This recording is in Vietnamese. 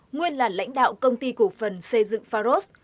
nguyên là lãnh đạo công ty cổ phần xây dựng pharos